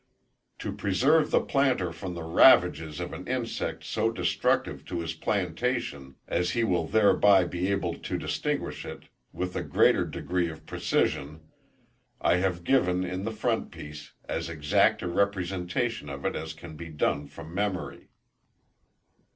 To preserve the planter from the ravages of an insect so destructive to his plantation, as he will thereby be able to distinguish it with a greater degree of precision, I have given in the frontispiece as exact a representation of it as can be done from memory.